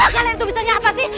kalian itu bisa nyapa sih